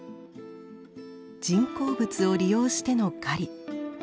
人工物を利用しての狩り。